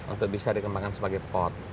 untuk bisa dikembangkan sebagai pot